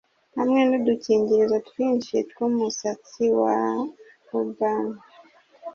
hamwe nudukingirizo twinshi twumusatsi wa auburn